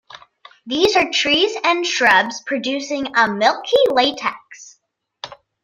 These are trees and shrubs producing a milky latex.